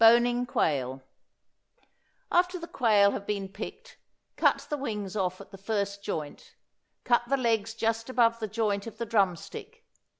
BONING QUAIL. After the quail have been picked, cut the wings off at the first joint, cut the legs just above the joint of the drum stick.